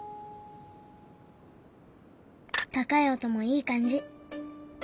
高い音もいい感じ。